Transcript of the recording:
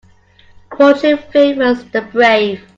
Fortune favours the brave.